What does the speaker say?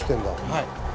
はい。